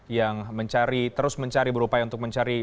yang mencari terus mencari berupaya untuk mencari